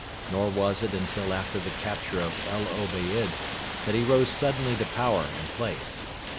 Nor was it until after the capture of El Obeid that he rose suddenly to power and place.